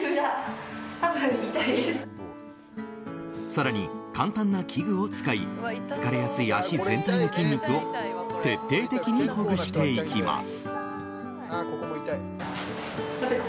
更に、簡単な器具を使い疲れやすい足全体の筋肉を徹底的にほぐしていきます。